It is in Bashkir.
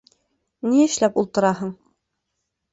— Ни эшләп ултыраһың?